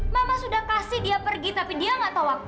mama sudah kasih dia pergi tapi dia nggak tahu waktu